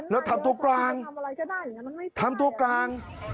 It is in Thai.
แล้วทำตัวกลางทำตัวกลาง